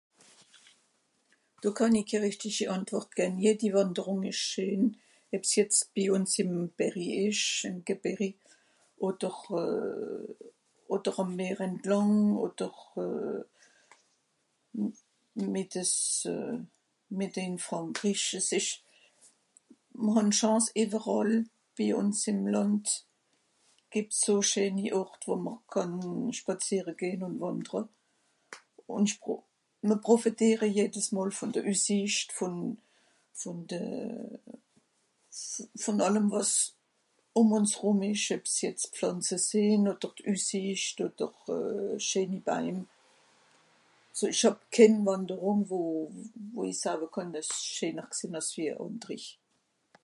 Do kànn i ké rìchtischi Àntwùrt gänn, jedi Wànderùng ìsch scheen, eb's jetz bi ùns ìm Bärri ìsch, ìm Gebärrigt, odder euh... odder àm Meer entlàng, odder euh... mìttes euh... mìtte ìn Frànkrich, es ìsch... mìr hàn d'Chance ìwweràl bi ùns ìm Lànd gìbbt's so scheeni Ort, wo mr kànn spàzìere gehn ùn wàndere, ùn ìch pro... mr profitìere jedes mol vùn de Üsssìcht, vùn... vùn de... vùn àllem, wàs ùm ùns rùm ìsch, eb's jetz Pflànze sìnn, odder d'Üsssìcht, odder scheeni Baim. So ìch hàb kén Wànderùng, wo... wo ìch saawe kànn, dìs ìsch scheener gsìnn àss jede àndri.